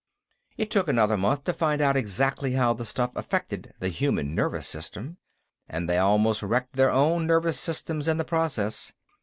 It took another month to find out exactly how the stuff affected the human nervous system, and they almost wrecked their own nervous systems in the process.